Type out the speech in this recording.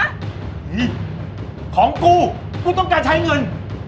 นี่ของกูกูต้องการใช้เงิน